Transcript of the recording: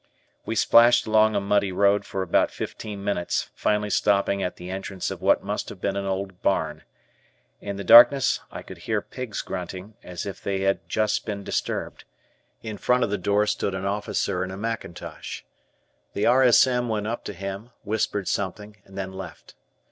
We splashed along a muddy road for about fifteen minutes, finally stopping at the entrance of what must have been an old barn. In the darkness, I could hear pigs grunting, as if they had just been disturbed. In front of the door stood an officer in a mack (mackintosh). The R. S. M. went up to him, whispered something, and then left.